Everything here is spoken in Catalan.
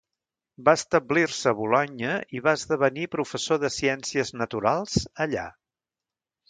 Va establir-se a Bolonya i va esdevenir professor de ciències naturals allà.